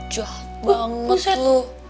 jahat banget lo